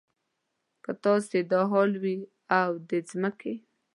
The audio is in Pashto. که ستاسې دا حال وي او د ځمکې.